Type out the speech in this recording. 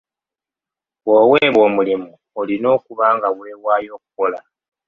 Bw'owebwa omulimu olina okuba nga wewaayo okukola.